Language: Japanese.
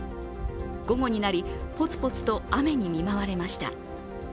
午後になり、ポツポツと雨に見舞われました。